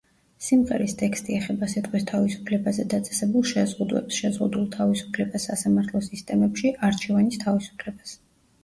სიმღერის ტექსტი ეხება სიტყვის თავისუფლებაზე დაწესებულ შეზღუდვებს, შეზღუდულ თავისუფლებას სასამართლო სისტემებში, არჩევანის თავისუფლებას.